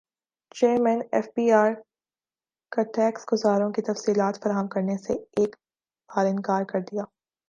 chairman F B R کا tax گزاروں کی تفصیلات فراہم کرنے سے ایک بارانکار کردیا